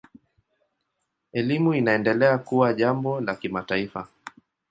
Elimu inaendelea kuwa jambo la kimataifa.